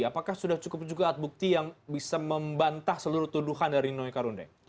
apakah sudah cukup juga alat bukti yang bisa membantah seluruh tuduhan dari ninoy karundeng